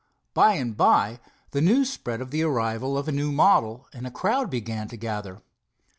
By and by the news spread of the arrival of a new model, and a crowd began to gather.